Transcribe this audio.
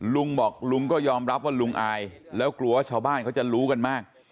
ลุงบอกลุงก็ยอมรับว่าลุงอายแล้วกลัวว่าชาวบ้านเขาจะรู้กันมาก